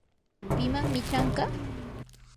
¿pimanmi chanqa?